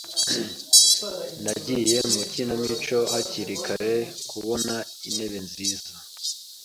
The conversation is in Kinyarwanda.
Nagiye mu ikinamico hakiri kare kubona intebe nziza.